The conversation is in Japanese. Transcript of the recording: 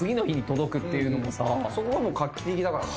そこが画期的だからね。